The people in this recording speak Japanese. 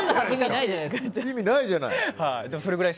意味ないじゃない。